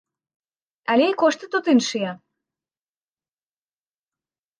Але і кошты тут іншыя.